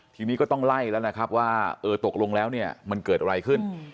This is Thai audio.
ทีนี้ก็ต้องไล่แล้วนะครับว่าเออตกลงแล้วเนี่ยมันเกิดอะไรขึ้น